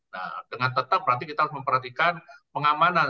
nah dengan tetap berarti kita harus memperhatikan pengamanan